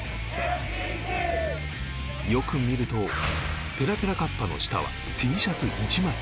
よく見るとペラペラカッパの下は Ｔ シャツ１枚